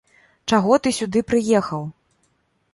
Чаго ты сюды прыехаў?